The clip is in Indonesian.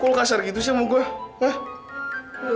aku kasar gitu sih sama gue